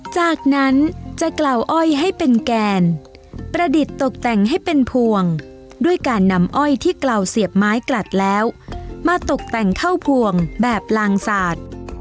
จากนั้นจะกล่าวอ้อยให้เป็นแกนประดิษฐ์ตกแต่งให้เป็นพวงด้วยการนำอ้อยที่กล่าวเสียบไม้กลัดแล้วมาตกแต่งเข้าพวงแบบลางสาด